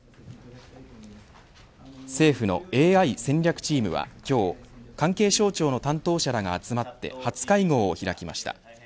政府のＡＩ戦略チームは今日、関係省庁の担当者らが集まって初会合を開きました。